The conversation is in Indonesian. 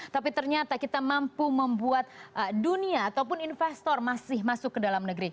tapi ternyata kita mampu membuat dunia ataupun investor masih masuk ke dalam negeri